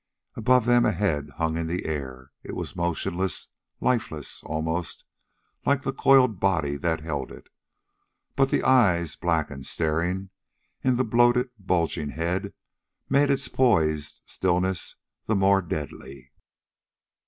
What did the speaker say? Above them a head hung in air. It was motionless lifeless, almost like the coiled body that held it. But the eyes, black and staring, in the bloated, bulging head, made its poised stillness the more deadly.